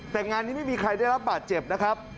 แต่งานนี้ไม่มีใครได้รับบาดเจ็บนะครับ